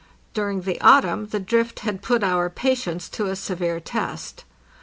During the autumn the drift had put our patience to a severe test.